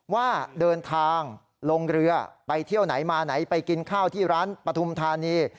ว่าเดินทางลงเรือไปเที่ยวไหนมาไหนไปกินข้าวที่ร้านปฐุมธานี